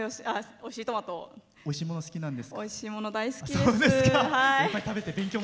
おいしいもの、大好きです。